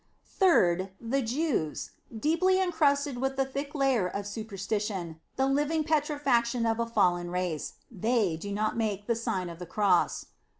Third, the Jews : deeply encrusted with a thick layer of superstition, the living petri faction of a fallen race they do not make the Sign of the Cross.